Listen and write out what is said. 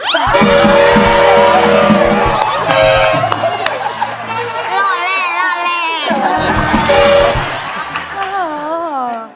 หล่อแหล่ง